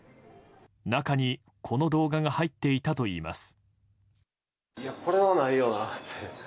中に、この動画が入っていたといいます。